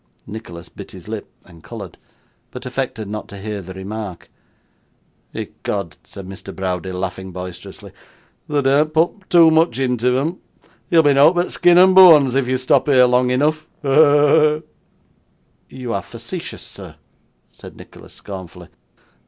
Nicholas bit his lip, and coloured, but affected not to hear the remark. 'Ecod,' said Mr. Browdie, laughing boisterously, 'they dean't put too much intiv'em. Ye'll be nowt but skeen and boans if you stop here long eneaf. Ho! ho! ho!' 'You are facetious, sir,' said Nicholas, scornfully.